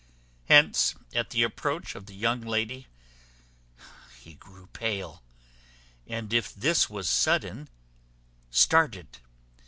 Hence, at the approach of the young lady, he grew pale; and if this was sudden, started.